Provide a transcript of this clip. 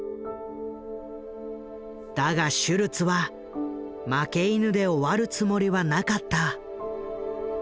だがシュルツは負け犬で終わるつもりはなかった。